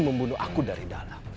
membunuh aku dari dalam